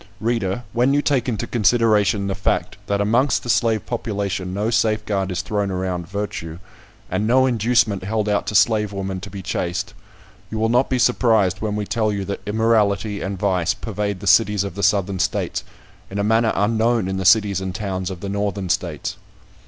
Reader, when you take into consideration the fact, that amongst the slave population no safeguard is thrown around virtue, and no inducement held out to slave women to be chaste, you will not be surprised when we tell you that immorality and vice pervade the cities of the Southern States in a manner unknown in the cities and towns of the Northern States.